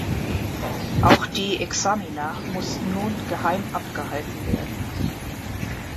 Auch die Examina mussten nun geheim abgehalten werden.